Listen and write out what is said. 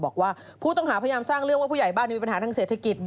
บอกว่าผู้ต้องหาพยายามสร้างเรื่องว่าผู้ใหญ่บ้านมีปัญหาทางเศรษฐกิจ